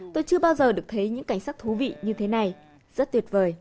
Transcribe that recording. tôi chưa bao giờ được thấy những cảnh sắc thú vị như thế này rất tuyệt vời